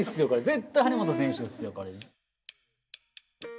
絶対張本選手ですよこれ。